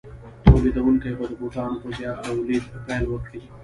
تولیدونکي به د بوټانو په زیات تولید پیل وکړي